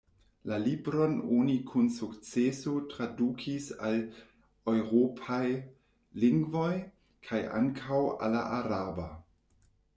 La libron oni kun sukceso tradukis al eŭropaj lingvoj, kaj ankaŭ al la araba.